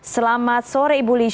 selamat sore ibu lisha